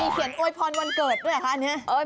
มีเขียนโอ้ยพรวันเกิดด้วยค่ะอันนี้